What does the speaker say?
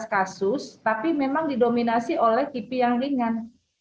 dua belas kasus tapi memang didominasi oleh kipi yang ringan